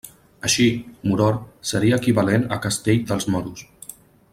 Així, Moror seria equivalent a castell dels moros.